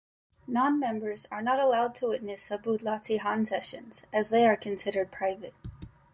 Non-members are not allowed to witness Subud "latihan" sessions as they are considered private.